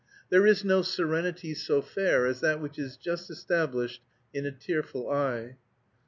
There is no serenity so fair as that which is just established in a tearful eye.